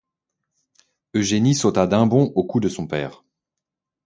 Eugénie sauta d’un bond au cou de son père.